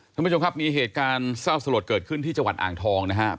ท่านผู้ชมครับมีเหตุการณ์เศร้าสลดเกิดขึ้นที่จังหวัดอ่างทองนะครับ